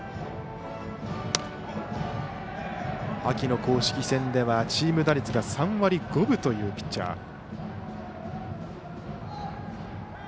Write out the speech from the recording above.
秋の公式戦ではチーム打率が３割５分というピッチャー。